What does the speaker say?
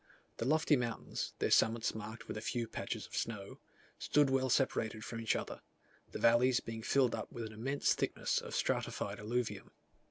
The lofty mountains, their summits marked with a few patches of snow, stood well separated from each other, the valleys being filled up with an immense thickness of stratified alluvium.